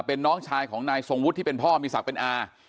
เป็นน้องชายของนายทรงวุฒิที่เป็นพ่อมีศักดิ์เป็นอา